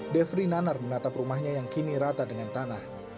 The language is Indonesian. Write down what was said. defri nanar menatap rumahnya yang kini rata dengan tanah